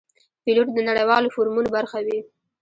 پیلوټ د نړیوالو فورمونو برخه وي.